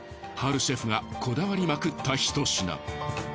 ハルシェフがこだわりまくったひと品。